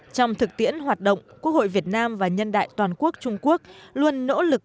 trong thực tiễn hoạt động quốc hội việt nam và nhân đại toàn quốc trung quốc luôn nỗ lực